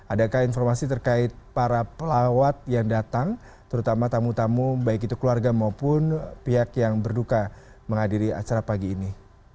adakah informasi terkait para pelawat yang datang terutama tamu tamu baik itu keluarga maupun pihak yang berduka menghadiri acara pagi ini